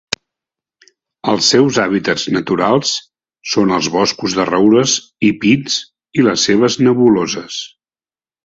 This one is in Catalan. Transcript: Els seus hàbitats naturals són els boscos de roures i pins i les selves nebuloses.